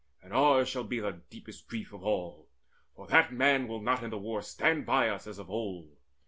And ours shall be the deepest grief Of all; for that man will not in the war Stand by us as of old.